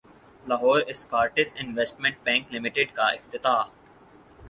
Lahore Escorts investment bank لمیٹڈکاافتتاح